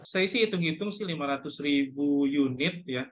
saya sih hitung hitung sih lima ratus ribu unit ya